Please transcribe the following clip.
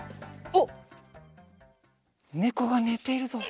おっねこがねているぞ。